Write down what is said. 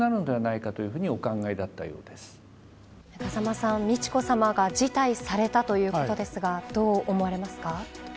風間さん、美智子さまが辞退されたということですがどう思われますか。